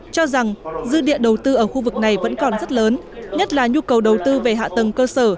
cho rằng dư địa đầu tư ở khu vực này vẫn còn rất lớn nhất là nhu cầu đầu tư về hạ tầng cơ sở